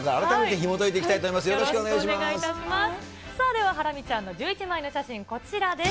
それではハラミちゃんの１１枚の写真、こちらです。